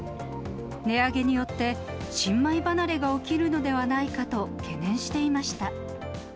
値上げによって新米離れが起きるのではないかと懸念していました。